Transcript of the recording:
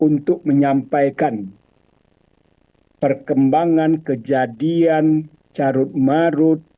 untuk menyampaikan perkembangan kejadian carut marut